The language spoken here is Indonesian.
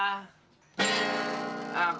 aku ingin menjaga